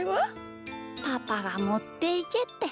パパがもっていけって。